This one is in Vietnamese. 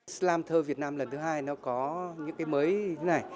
slam thơ việt nam lần thứ hai nó có những cái mới như thế này